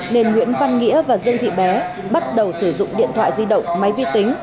nên nguyễn văn nghĩa và dương thị bé bắt đầu sử dụng điện thoại di động máy vi tính